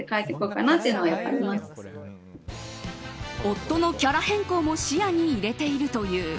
夫のキャラ変更も視野に入れているという。